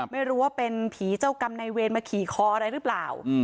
ไม่รู้ว่าเป็นผีเจ้ากรรมในเวรมาขี่คออะไรหรือเปล่า